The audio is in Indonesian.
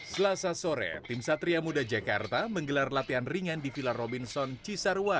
selasa sore tim satria muda jakarta menggelar latihan ringan di villa robinson cisarua